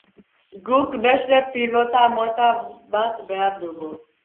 Guk beste pilota mota bat behar dugu.